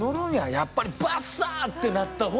やっぱりバッサーってなった方が。